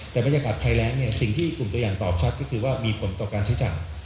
แต่บรรยากาศภัยแรงเนี่ยสิ่งที่กลุ่มตัวอย่างตอบชัดก็คือว่ามีผลต่อการใช้จ่าย